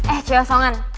eh cewek osongan